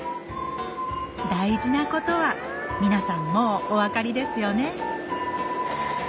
大事なことは皆さんもうお分かりですよね？